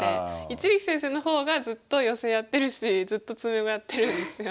一力先生の方がずっとヨセやってるしずっと詰碁やってるんですよ。